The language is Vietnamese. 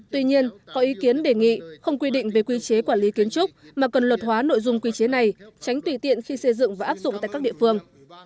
tuy nhiên có ý kiến đề nghị không quy định về quy chế quản lý kiến trúc mà cần luật hóa nội dung quy chế này tránh tùy tiện khi xây dựng và áp dụng tại các địa phương